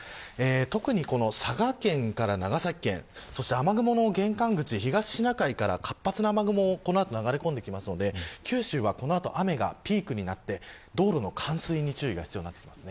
特に佐賀県から長崎県そして雨雲の玄関口東シナ海から活発な雨雲が流れ込んできますので、九州はこの後、雨がピークになって道路の冠水に注意が必要です。